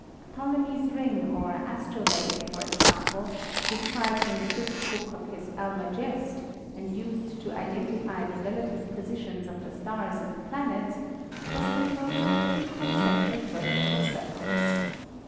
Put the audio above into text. Ptolemy's ring or astrolabe, for example, described in the fifth book of his Almagest, and used to identify the relative positions of the stars and planets, was composed of two concentric vertical circles.